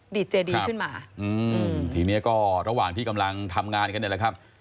เจดีขึ้นมาอืมทีนี้ก็ระหว่างที่กำลังทำงานกันเนี่ยแหละครับ